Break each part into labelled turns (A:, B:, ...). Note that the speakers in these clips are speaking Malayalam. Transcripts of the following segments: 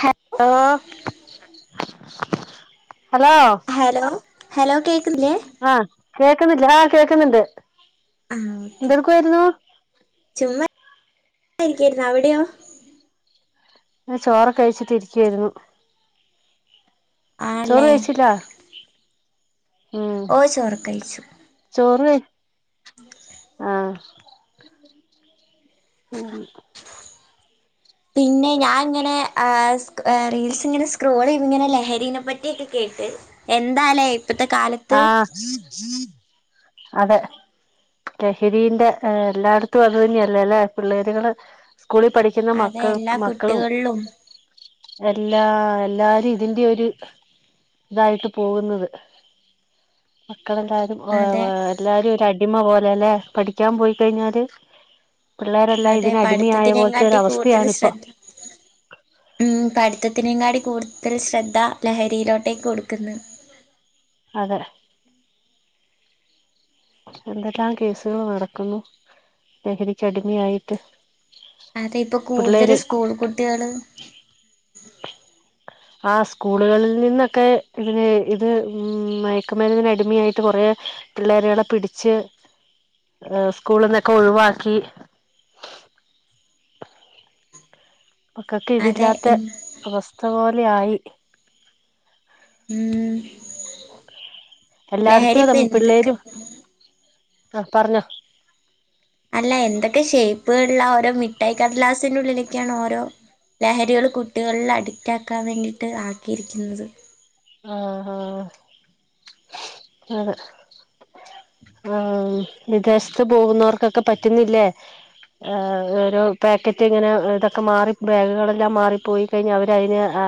A: ഹ
B: ഓ ഹലോ
A: ഹലോ ഹലോ കേക്കുന്നില്ലേ
B: കേൾക്കുന്നില്ല ആ കേക്കുന്നുണ്ട്
A: ആ ഓക്കെ
B: എന്തെടുക്കുവായിരുന്നു
A: ചുമ്മാരിക്കായിരുന്നു അവിടെയോ
B: ഞാ ചോറൊക്കെ കഴിച്ചിട്ട് ഇരിക്കയിരുന്നു
A: ആണല്ലേ
B: ചോറുകഴിച്ചില്ല
A: ഓ ചോർക്കയ്ച്ചു
B: ചോറ് വെ ആഹ് ഉം
A: പിന്നെ ഞാന് ഇങ്ങനെ ആഹ് ഏഹ് റീൽസ് ഇങ്ങനെ സ്ക്രോൾയ്യത് ഇങ്ങനെ ലഹരിനെ പറ്റിഓക്കെ കേട്ട് എന്താലേ ഇപ്പത്തെ കാലത്ത്
B: ആഹ് അതെ ലഹരിന്റെ എല്ലായിടത്തും അതുതന്നെയല്ലേ അല്ലേ പിള്ളേരികള് സ്കൂളിൽ പഠിക്ക പിന്നെ
A: അതെ
B: മക്ക
A: എല്ലാ
B: മക്കളും
A: കുട്ടികളിലും
B: എല്ലാ എല്ലാരും ഇതിന്റെ ഒരു ഇതായിട്ട് പോകുന്നത് മക്കളെല്ലാരും. ഓ
A: അതെ
B: എല്ലാരും ഒ അടിമ പോലെല്ലെ പഠിക്കാൻ പോയി കഴിഞ്ഞാല്. പിള്ളേരെല്ലാം
A: അതെ
B: ഇതിന അടിമയായ പോലത്തെ ഒര
A: പഠിത്തത്തിനെങ്കാട്ടി
B: അവസ്ഥയാണിപ്പോ.
A: പഠിത്തത്തിനകാടി കൂടുതൽ ശ്രദ്ധ ലഹരിയിലോട്ടേക്ക് കൊടുക്കുന്നു.
B: അതെ എന്തെല്ലാം കേസുകൾ നടക്കുന്നു. ലഹരിക്ക് അടിമയായിട്ട്.
A: അതെ ഇപ്പ കൂടുതൽ സ്കൂൾ കുട്ടികള്.
B: ആ സ്കൂളുകളിൽ നിന്നൊക്കെ ഇണി ഇത് ഇ മയക്ക് മരുന്നി ന് അടിമയായിട്ട്. കൊറേ പിള്ളേരോടെ പിടിച്ച് സ്കൂളിൽ നിന്നൊക്കെ ഒഴിവാക്കി. മ ക്കൊക്കെ
A: അതെ
B: ഇതില്ലാത്ത
A: ഇൻ-
B: അവസ്ഥ പോലെ ആയി.
A: ഉം ലഹരി ഇപ്പൊ
B: എല്ലായിടത്തും
A: എന്തൊക്കെ
B: പിള്ളേരും ആ പറഞ്ഞോ
A: അല്ല എന്തൊക്കെ ഷേപ്പ് കളില ഓരോ മിഠായി കടലാസിന്റെ ഉള്ളിലൊക്കെയാണ് ഓരോ ലഹരികള് കുട്ടികൾല് അഡിക്റ്റാക്കാൻ വേണ്ടിയിട്ട് ആക്കീര്ക്കുന്നത്.
B: ആഹ് ആഹ് അതെ ആഹ് വിദേശ്ത്ത് പോകുന്നവർക്കൊക്കെ പറ്റുന്നില്ലേ. ആ ഓരോ പാക്കറ്റ് ഇങ്ങനെ ഇതൊക്കെ മാറി ബാഗുകളെല്ലാം മാറിപ്പോയ്. കഴിഞ്ഞ അവരയ്ന് ആ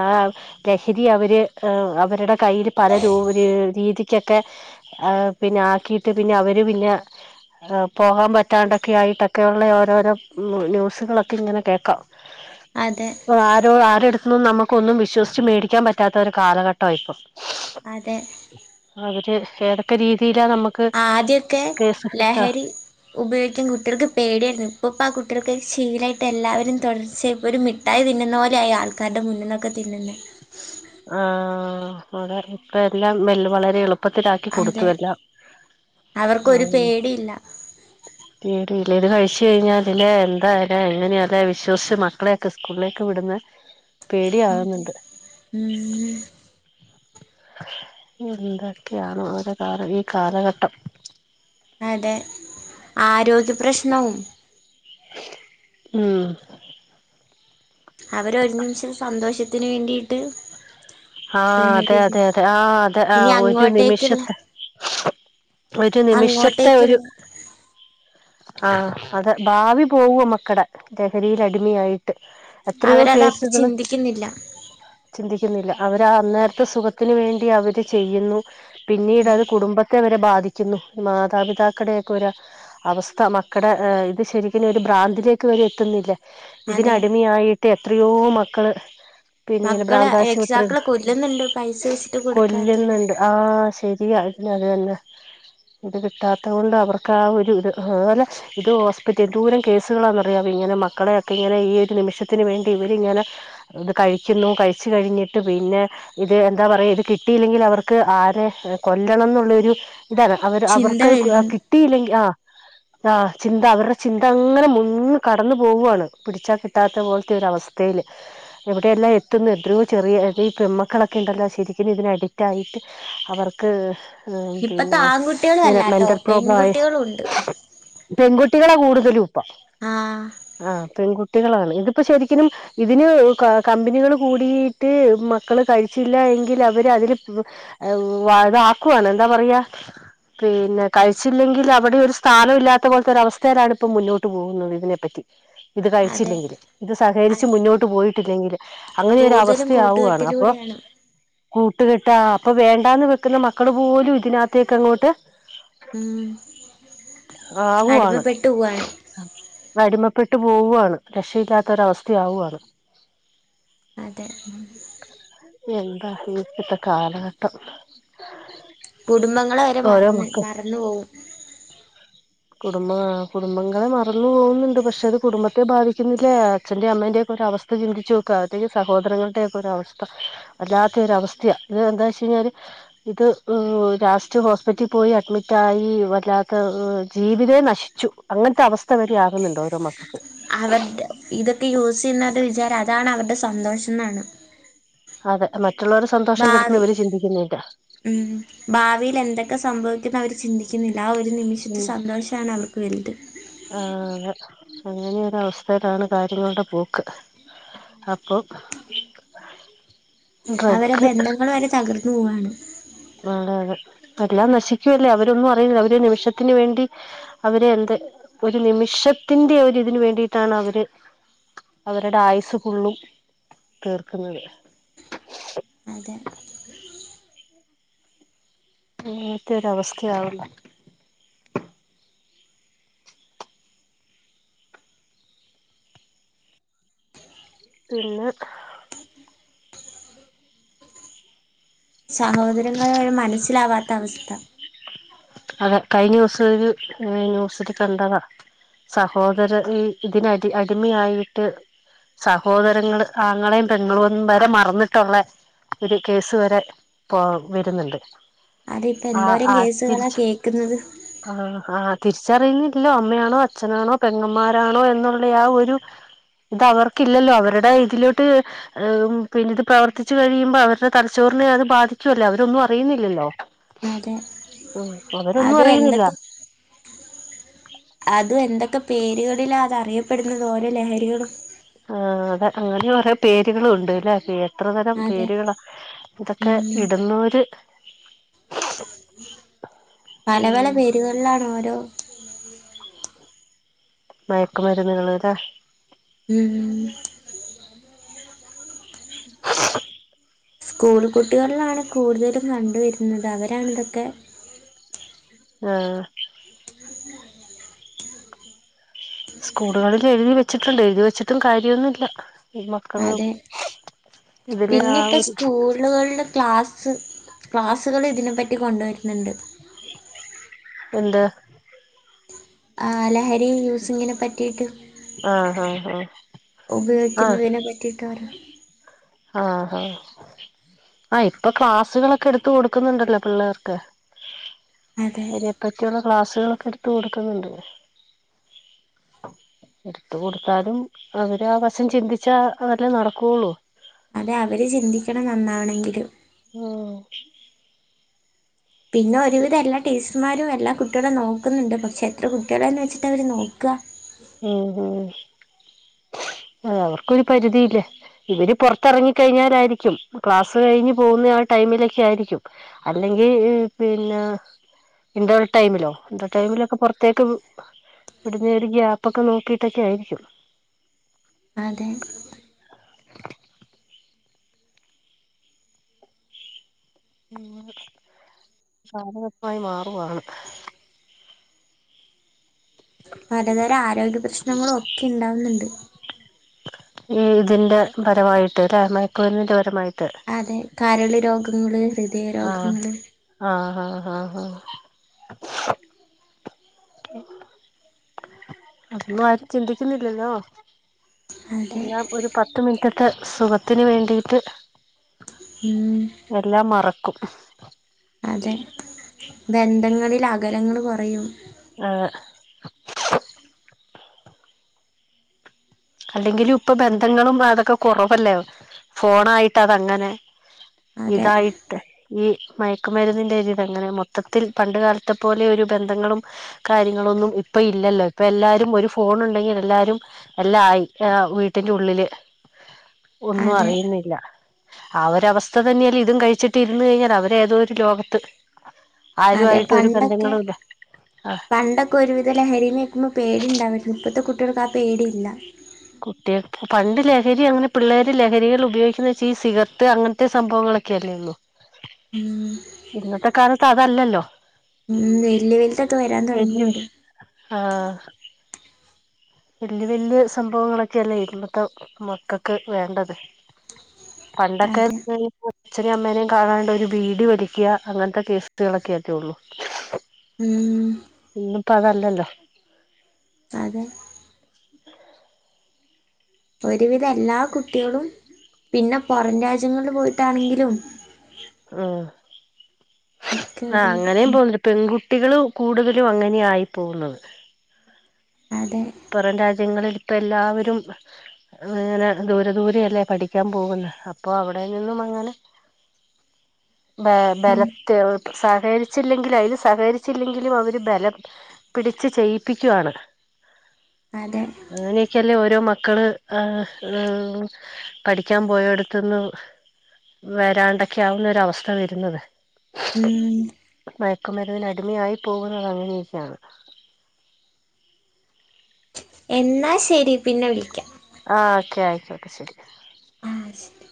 B: കഷരി അവര്. അവരുടെ കയ്യില് പല രൂ രീതിക്കെക്കെ. പിന്ന ആക്കീട്ട് പിന്ന അവര് പിന്ന പോകാൻ പറ്റാണ്ടൊക്കെ ആയിട്ടൊക്കെയ ഉുള്ള ഓരോരോ ന്യൂസുകളൊക്കെ ഇങ്ങനെ കേൾക്കാം. [inaudible]
A: അതെ
B: ആരോ ആരെട്ത്ത് നിന്നും നമുക്കൊന്നും വിശ്വസ്ച്ച് മേടിക്കാൻ പറ്റാത്തൊരു കാലഘട്ടായിപ്പം.
A: അതെ
B: അവര് ഏതൊക്കെ രീതിയിലാ നമക്ക്-
A: ആദ്യക്കെ ലഹരി. ഉപയ്ഗിക്കാൻ കുട്ടികൾക്ക് പേടിയായ്ര്ന്ന് ഇപ്പ പ്പാ കുട്ടിൾക്ക് ശീലായിട്ട് എല്ലാവരും തുടർച്ചയ് ഒരു മി- ട്ടായി തിന്നുന്ന പോലെയാ ആൾക്കാര്ടെ മുന്നിന്നൊക്കെ തിന്നുന്നേ.
B: ആഹ് അതേ ഇപ്പ എല്ലാം മെൽ വളരെ എളു- പ്പത്തിലാക്കി കൊടുത്തു
A: അതെ
B: എല്ലാം.
A: അവർക്കൊരു പേടിയില്ല
B: പേടിലേ ത് കഴ്ച്ചഴ്ഞ്ഞാല് ല്ലേ എന്താലേ ഇങ്ങനെയതാ വിശ്വസ്ച്ച് മക്കളെയൊക്കെ സ്കൂൾലേക്ക് വിടുന്ന്. പേടിയാവ്ന്നുണ്ട്.
A: ഉംഹ്
B: എന്തൊക്കെയാണോ ഓരോ കാലഈ കാലഘട്ടം.
A: അതെ ആരോഗ്യ പ്രശ്നവും.
B: ഉം
A: അവരൊര് നിമിഷം സന്തോഷത്തിന് വേണ്ടീട്ട്.
B: ആഹ് അതെ അതെ അതെ ആഹ് അതെ ആ
A: ഇനി
B: ഒരു
A: അങ്ങോട്ടേക്കുള്ള
B: നിമിഷത്തെ ഒരു നിമിഷത്തെ
A: അങ്ങോട്ടേക്കുള്ള
B: ഒരു. ആ അത് ഭാവി പോവും മക്കടെ ലഹരീല് അടിമയായി- ട്ട് എത്രയോ
A: അവരത് അപ്പ
B: കേസുകള്.
A: ചിന്തിക്കുന്നില്ല
B: ചിന്തിക്കുന്നില്ല അവരാ അന്നേര്ത്തെ സുഖത്തിന് വേണ്ടി അവര് ചെയ്യുന്നു. പിന്നീട്
A: ഉം
B: അത് കുടുംബത്തെ വരെ ബാധിക്കുന്നു. മാതാപിതാക്കടൊക്കെ ഒരാ- വസ്ഥ മക്കടെ ഇത് ശരിക്കിനും ഭ്രാന്തിലേക്ക് വരെ എത്തുന്നില്ലേ.
A: അതെ
B: ഇതിനടിമയായിട്ട് എത്രയോ മക്കള് പിന്നെ ങ്ങനെ ഭ്രാന്താശുപത്-
A: പിതാക്കളെ കൊല്ലുന്നുണ്ട് പൈസോയ്ച്ചിട്ട് കൊടുക്കാത്തത്.
B: ആഹ് ശരിയാ [unintelligible] അത് തന്ന ഇത് കിട്ടാത്തഹ് കൊണ്ടാ അവർക്കാ ഒരു ഇത് അത്പോലെ ഇത് ഹോസ്പിറ്റൽ എന്തോരം കേസുകളാന്നറിയാവോ ഇങ്ങനെ മക്കളെയെക്കെ ഇങ്ങനെ ഈ ഒരു നിമിഷത്തിന് വേണ്ടി ഇവരിങ്ങനെ ഇത് കഴിക്കുന്നു കഴിച്ചു കഴിഞ്ഞിട്ട് പിന്നെ ഇത് എന്താ പറയ ഇത് കിട്ടിയില്ലെങ്കിൽ അവർക്ക് ആരെ കൊല്ലണം ന്നുള്ളൊരു ഇതതാ അവര്
A: ചിന്ത
B: അവർക്ക്
A: വരുന്നു
B: കിട്ടിയില്ലെങ്കി ആഹ് ആഹ് ചിന്ത അവർടെ ചിന്ത അങ്ങനെ മുന്ന് കടന്നു പോവ്വാണ് പിടിച്ചാ കി ട്ടാത്ത പോൽത്തെ ഒരവസ്ഥേല് എവിടെയെല്ലാം എത്തുന്ന് എദ്രോ ചെറിയ ഈ പെമ്മക്കളൊക്കെ ണ്ടല്ലോ ശരിക്കും ഇതിനഡിക്റ്റായിട്ട് അവർക്ക് ഇഹ്
A: ഇപ്പത്തെ
B: പിന്നെ
A: ആൺകുട്ടികളും
B: ഇങ്ങനെ
A: അല്ലാട്ടോ
B: മെന്റൽ പ്രോബ്ലം ആയി.
A: പെൺകുട്ടികളും ഉണ്ട്
B: പെൺകുട്ടികളാ കൂടുതലു ഇപ്പൊ
A: ആഹ്
B: ആഹ് പെൺകു ട്ടികളാണ് ഇതിപ്പോ ശരിക്കിനും ഇതിന് കമ്പനികള് കൂടീ ട്ട് മക്കള് കഴിച്ചില്ലാ എങ്കിൽ അവര് അതില് പ് എഹ് വ ഇതാക്കുവാണ് എന്താ പറയാ പിന്നെ കഴിച്ചില്ലെങ്കിൽ അവിടെ ഒരു സ്ഥാനം ഇല്ലാത്ത പോലത്തരവസ്ഥയിലാണ് ഇപ്പോ മുന്നോട്ട് പോകുന്നത് ഇതിനെപ്പറ്റി. ഇത്
A: അതെ
B: കഴിച്ചില്ലെങ്കില്. ഇത് സഹകരിച്ച്
A: അതെ
B: മുന്നോട്ട് പോയിട്ടില്ലെങ്കില് അങ്ങനെരവസ്ഥ
A: കൂടുതലും
B: സ്ഥയാവുവാണ് അപ്പൊ
A: കൂട്ടുകെട്ടിലൂടെയാണ്
B: കൂട്ട്കെട്ടാ അപ്പൊ വേണ്ടാന്ന് വെക്കുന്ന മക്കള് പോലും ഇതിനകത്തേക്കങ്ങോട്ട്
A: ഉം അടിമപ്പെട്ടുവ്വാണ്
B: അഹ് പ്പൊ അടിമപ്പെട്ട് പോവ്വാണ് രക്ഷയില്ലാത്ത ഒരവസ്ഥയാവുവാണ്
A: അതെ ഉം
B: എന്താ ഈ ഇപ്പത്തെ കാലഘട്ടം
A: കുടുംബങ്ങളെ വരെ
B: ഓരോ
A: മറന്ന്
B: മക്കൾ
A: മറന്നു പോവും
B: കുടുംബ ആഹ് കുടുംബങ്ങളെ മറന്നു പോവ്ന്നുണ്ട് പഷെ അത് കുടുംബത്തെ ബാധിക്കുന്നില്ലേ അച്ഛന്റെ അമ്മന്റേം ഒക്കൊരവസ്ഥ. സ്ഥ ചിന്തിച്ചു നോക്ക് അവര്ടേ ഈ സഹോദരങ്ങൾടെ ഒക്കൊരവസ്ഥ. വല്ലാത്ത ഒരവസ്ഥയ ത് ന്താച്ചയ്ഞ്ഞാല് ഇത് ലാസ്റ്റ് ഹോസ്പിറ്റി പോയി അഡ്മിറ്റായി വല്ലാത്ത ഹ് ജീവിതേ നശിച്ചു അങ്ങൻത്തെ അവസ്ഥ വരെയാകുന്നുണ്ട് ഓരോ മക്കൾക്ക്
A: അവര്ടെ ഇതൊക്കെ യൂസ് ചെയ്യ്ന്നവരുടെ വിചാരം അതാണ് അവരുടെ സന്തോഷം ന്നാണ്
B: അതെ മറ്റുള്ളവര്ടെ സന്തോഷം കെടുത്ത്ന്ന്
A: ഭാവി
B: ഇവര് ചിന്തിക്കുന്നില്ല
A: ഉം ഭാവിയില് എന്തൊക്കെ സംഭവിക്കുംന്നവര് ചിന്തിക് ക്കിന്നില്ല ആ ഒരു നിമിഷത്തെ
B: ഉം
A: സന്തോഷാണ് അവർക്ക് വെല്ത്
B: ആഹ് അതെ അങ്ങനെയൊരവസ്ഥയിലാണ് കാര്യങ്ങളുടെ പോക്ക് അപ്പൊ ഡ്രഗ്
A: അവരെ ബന്ധങ്ങള് വരെ തകർന്ന് പോവാണ്
B: ആഹ് അതെ അതെ എല്ലാം നശിക്കുവല്ലേ അവരൊന്നും അറിയൂല അവര് ഒരു നിമിഷത്തിന് വേണ്ടി അവര് എന്ത് ഒരു നിമിഷത്തിന്റെ ഒരിതിന് വേണ്ടിയിട്ടാണ് അവര് അവരുടെ ആയുസ് ഫുള്ളും തീർക്കുന്നത്
A: അതെ
B: അങ്ങെൻത്തെ ഒരവസ്ഥയാവുന്നെ പിന്നെ
A: സഹോദരങ്ങളെ വരെ മനസ്സിലാവാത്ത അവസ്ഥ
B: അതെ കഴിഞ്ഞൂസം ഒര് ന്യൂസില് കണ്ടതാ സഹോദര ഈ ഇതിനടി അടിമയായിട്ട് സഹോദരങ്ങള് ആങ്ങളേം പെങ്ങളുന്ന് വരെ മറന്നിട്ടുള്ള ഒരു കേസ് വരെ പ്പൊ വര്ന്ന്ണ്ട്
A: അതെ ഇപ്പന്തോരം കേസുകളാ കേക്ക്ന്നത്
B: ആഹ് ആഹ് തിരിച്ചറിയുന്നില്ല അമ്മയാണോ അച്ഛനാണോ, പെങ്ങമ്മാരാണോ എന്നുള്ള ആ ഒരു ഇതവർക്കില്ലല്ലോ അവരുടെ ഇതിലോട്ട് ഏമ് പിന്നിത് പ്രവർത്തിച്ചു കഴിയുമ്പോ അവർടെ തലച്ചോറിനെ അത് ബാധിച്ചുവല്ലേ അവരൊന്നും അറിയുന്നില്ലല്ലോ.
A: അതെ
B: ഉം അവരൊന്നും
A: അത്
B: അറിയുന്നില്ല
A: എന്തൊക്കെ അതും എന്തൊക്കെ പേര്കളിലാ അതറിയപ്പെടുന്നത് ഓരോ ലഹരികളും
B: ആഹ് അതെ അങ്ങനൊറെ പേര്കളും ഉണ്ട് ലെ പേ എത്രതരം
A: അതെ
B: പേരുകളാ ഇതൊക്കെ
A: ഉം
B: ഇടുന്നോര്
A: പല പല
B: ഉം
A: പേരുകളിലാണോരോ
B: മയക്കുമരുന്നുകള് ലെ
A: ഉം
B: [inaudible]
A: സ്കൂൾ കുട്ടികളിലാണ് കൂടുതലും കണ്ട് വരുന്നത് അവരാണിതൊക്കെ
B: ആഹ് സ്കൂളുകളില് എഴ്തി വെച്ചിട്ടുണ്ട് എഴുതി വെച്ചിട്ടും കാര്യോന്നുല്ല.
A: അതെ
B: ഇതില് ആ
A: പിന്നിപ്പ
B: ഒരു
A: സ്കൂളുകളില് ക്ലാസ് സ് ക്ലാസ്സുകൾ ഇതിനെപ്പറ്റി കൊണ്ടുവരുന്നുണ്ട്.
B: എന്ത്‌?
A: ആ ലഹരി യൂസിങ്ങിനെ പറ്റിയിട്ട്
B: ആഹ് ഹ ഹ
A: ഉപയോഗിക്കുന്നതിനെ പറ്റിയിട്ട് ഓരോ
B: ആഹ് ഹാ ആഹ് ഇപ്പൊ ക്ലാസ്സുകളൊക്കെ എടുത്ത് കൊടുക്കുന്നുണ്ടല്ലോ പിള്ളേർക്ക്.
A: അതെ
B: അതിനെപ്പറ്റിയുള്ള ക്ലാസ്സുകളൊക്കെ എടുത്ത് കൊടുക്കുന്നുണ്ട്. എടുത്ത് കൊടുത്താലും അവര് ആ വശം ചിന്തിച്ചാലല്ലേ നടക്കുള്ളൂ.
A: അതെ അവര് ചിന്തിക്കണം നന്നാവണെങ്കില്
B: ഉം
A: പിന്നെ ഒരുവിധം എല്ലാ ടീച്ചർമാരും എല്ലാ കുട്ടികളേം നോക്കുന്നുണ്ട് പക്ഷേ എത്ര കുട്ടികളെന്ന് വെച്ചിട്ടാ അവര് നോക്കാ.
B: ഉം ഉ അതാവർക്കൊരു പരിധിയില്ലേ ഇവര് പുറത്തിറങ്ങി കഴിഞ്ഞാലായിരിക്കും ക്ലാസ്സ് കഴിഞ്ഞ് പോകുന്ന ആ ടൈമിലൊക്കെ ആയിരിക്കും. അല്ലെങ്കി പിന്നെ ഇന്റർ ടൈമിലോ ഇന്റർടൈമിലൊക്കെ പുറത്തേക്ക് വിടുന്ന ഒര് ഗ്യാപ്പ് പ്പൊക്കെ നോക്കിയിട്ടൊക്കെയായിരിക്കും.
A: അതെ
B: കാലഘട്ടമായി മാറുവാണ്
A: പലതരം ആരോഗ്യ പ്രശ്നങ്ങളൊക്കെ ഇണ്ടാവുന്നുണ്ട്.
B: ഈ ഇതിന്റെ പരമായിട്ട് ല്ലെ മയക്ക്മരുന്നിന്റെ പരമായിട്ട്
A: അതെ കരള് രോഗങ്ങള് ഹൃദയ
B: ആഹ്
A: രോഗങ്ങള്
B: ആഹ് ഹാ ഹാ ഹാ ഹാ അതൊന്നും ആരും ചിന്തിക്കുന്നില്ലല്ലോ.
A: അതെ
B: എല്ലാം ഒരു പത്ത് മിനിറ്റത്തെ സുഖത്തിന് വേണ്ടിയിട്ട്
A: ഉം
B: എല്ലാം മറക്കും
A: അതെ ബന്ധങ്ങളില് അകലങ്ങള് കുറയും
B: അതെ അല്ലെങ്കിലു ഇപ്പൊ ബന്ധങ്ങളും അതൊക്കെ കുറവല്ലേ ഫോണായിട്ട് അതങ്ങനെ
A: അതെ
B: ഇതായി ട്ട് ഈ മയക്കുമരുന്നിന്റെ ഒരിതങ്ങനെ മൊത്തത്തിൽ പണ്ട് കാലത്തെ പോലെ ഒരു ബന്ധങ്ങളും കാര്യങ്ങളൊന്നും ഇപ്പ ഇല്ലല്ലോ ഇപ്പൊ എല്ലാരും ഒരു ഫോൺ ഉണ്ടെങ്കി എല്ലാരും എല്ലാം ആയി ആ വീട്ടിന്റെ ഉള്ളില് ഒന്നും
A: അതെ
B: അറിയുന്നില്ല ആ ഒരുവസ്ഥ തന്നെയല്ലേ ഇതും കഴിച്ചിട്ട് ഇര്ന്ന് കഴിഞ്ഞാല് അവരേതോ ഒരു ലോകത്ത്. ആരു
A: അതെ
B: ആയിട്ട് ഒരു ബന്ധങ്ങളും ഇല്ല ആഹ്
A: ഒരുവിധം ലഹരിന്ന് കേക്കുമ്പോ പേടി ഇണ്ടാവായിരുന്നു ഇപ്പോഴത്തെ കുട്ടികൾക്ക് ആ പേടില്ല.
B: കുട്ടികൾ പണ്ട് ലഹരി അങ്ങനെ പിള്ളേടെ ലഹരികൾ ഉപയോഗിക്കുന്ന വെച്ചാ ഈ സിഗർത്ത് അങ്ങനത്തെ സംഭവങ്ങളൊക്കെ ല്ലേള്ള
A: ഉം
B: ഇന്നത്തെ കാലത്ത് അതല്ലല്ലോ
A: ഉ വലിയ വലത്തൊക്കെ വരാൻ തുടങ്ങിയിുണ്ട്
B: ആഹ വല് വല്യ സംഭവങ്ങളൊക്കെയല്ലേ ഇന്നത്തെ മക്കൾക്ക് വേണ്ടത് പണ്ടൊക്കെ
A: അതെ
B: അച്ഛനയും അമ്മേനേയും കാണാണ്ട ഒരു വീഡ വലിക്കുക അങ്ങനത്തെ കേസുകളൊക്കെ ആറ്റേള്ളു
A: ഉം
B: ഇന്നും പ അതല്ലല്ലോ
A: അതെ ഒരുവിധ എല്ലാ കുട്ടികളും പിന്നെ പുറം രാജ്യങ്ങളിൽ പോയിട്ടാണെങ്കിലും ഒക്കെ
B: ആ
A: ഒരുവിധം
B: അങ്ങനെയും
A: ഉം
B: പോന്നുണ്ട് പെൺകുട്ടികൾ കൂടുതലും അങ്ങനെയയി പോകുന്നത്
A: അതെ
B: പ്പുറം രാജ്യങ്ങളിൽ ഇപ്പ എല്ലാവരും അങ്ങനെ ദൂരെ ദൂര അല്ലേ പഠിക്കാൻ പോകുന്നു അപ്പൊ അവിടെ നിന്നും അങ്ങനെ വ
A: ഉം
B: ബലത്തെ സഹകരിച്ചില്ലെങ്കില അതിന് സഹകരിച്ചില്ലെങ്കിലും അവര് ബലം പിടിച്ച് ചെയ്യിപ്പിക്കുവയാണ്
A: അതെ
B: അങ്ങനെയൊക്കല്ലേ ഓരോ മക്കള് പഠിക്കാൻ പോയോടുത്ത്ന്ന് വരാണ്ടൊക്കെ ആവുന്നൊരവസ്ഥ വരുന്നത്
A: ഉം
B: മയക്കുമരുന്നിന് അടിമയായി പോകുന്നുന്നത് അങ്ങനെയൊക്കെയാണ്
A: എന്നാൽ ശരി പിന്നെ വിളിക്കാം
B: ആ ഓക്കെ ആയിക്കോട്ടെ ഓക്കെ ശരി
A: ആ ശരി